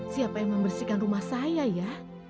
siapa yang membersihkan rumah saya ya